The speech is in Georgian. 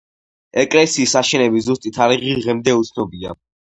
ეკლესიის აშენების ზუსტი თარიღი დღემდე უცნობია.